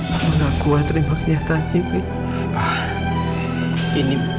aku gak kuat terima kenyataan ini